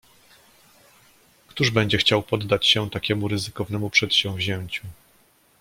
"Któż będzie chciał poddać się takiemu ryzykownemu przedsięwzięciu?"